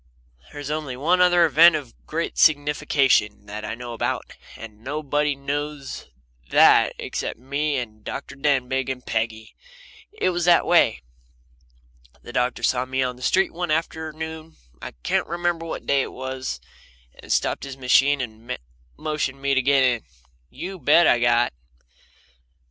There's only one other event of great signification that I know about, and nobody knows that except me and Dr. Denbigh and Peggy. It was this way. The doctor saw me on the street one afternoon I can't remember what day it was and stopped his machine and motioned to me to get in. You bet I got.